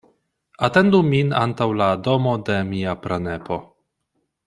Atendu min antaŭ la domo de mia pranepo.